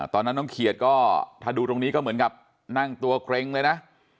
ตอนนั้นน้องเขียดก็ถ้าดูตรงนี้ก็เหมือนกับนั่งตัวเกร็งเลยนะ